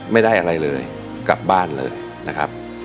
ไม่ได้อะไรเลยกลับบ้านเลยนะครับ